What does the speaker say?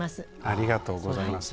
ありがとうございます。